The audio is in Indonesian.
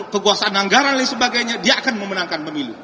kekuasaan anggaran dan lain sebagainya dia akan memenangkan pemilu